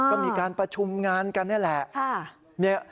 ก็มีการประชุมงานกันนี่แหละ